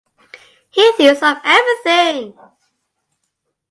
He thinks of everything!